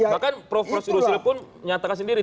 bahkan prof yusril pun nyatakan sendiri